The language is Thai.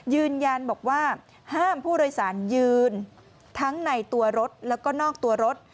ยืนยันบอกว่าห้ามผู้โดยสารยืนทั้งในตัวรถแล้วก็นอกตัวรถ